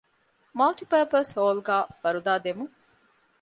މަލްޓި ޕާޕަސް ހޯލުގައި ފަރުދާ ދެމުން